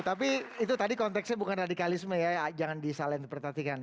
tapi itu tadi konteksnya bukan radikalisme ya jangan disalahin diperhatikan